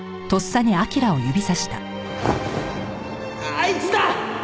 あいつだ！